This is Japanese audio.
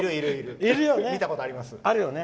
いるよね。